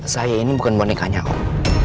saya ini bukan bonekanya om